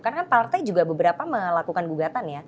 karena partai juga beberapa melakukan gugatan ya